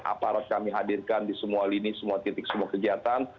aparat kami hadirkan di semua lini semua titik semua kegiatan